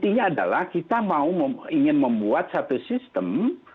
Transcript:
nah intinya adalah kita mau ingin membuat satu sistem